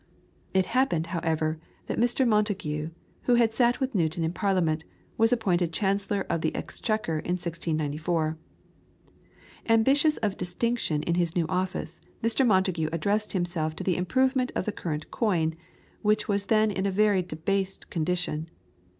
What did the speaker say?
It happened, however, that Mr. Montagu, who had sat with Newton in Parliament, was appointed Chancellor of the Exchequer in 1694. Ambitious of distinction in his new office, Mr. Montagu addressed himself to the improvement of the current coin, which was then in a very debased condition.